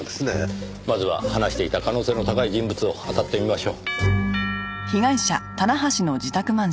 まずは話していた可能性の高い人物を当たってみましょう。